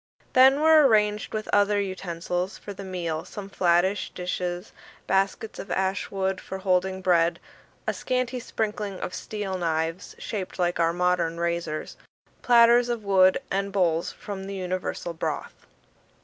Then were arranged with other utensils for the meal some flattish dishes, baskets of ash wood for holding bread, a scanty sprinkling of steel knives shaped like our modern razors, platters of wood, and bowls for the universal broth.